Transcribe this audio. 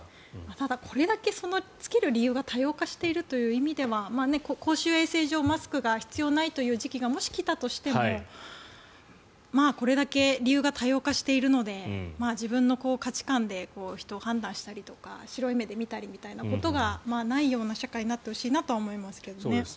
ただ、これだけ着ける理由が多様化しているという意味では公衆衛生上マスクが必要ないという時期がもし来たとしてもこれだけ理由が多様化しているので自分の価値観で人を判断したりとか白い目で見たりということがないような社会になってほしいなとは思いますけどね。